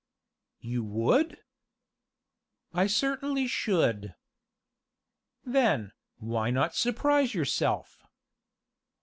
"You would?" "I certainly should." "Then why not surprise yourself?"